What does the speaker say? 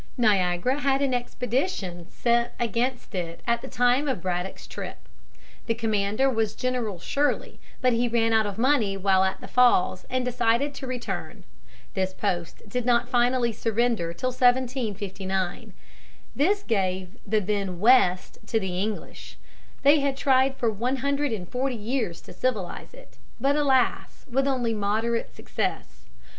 Niagara had an expedition sent against it at the time of Braddock's trip. The commander was General Shirley, but he ran out of money while at the Falls and decided to return. This post did not finally surrender till 1759. This gave the then West to the English. They had tried for one hundred and forty years to civilize it, but, alas, with only moderate success.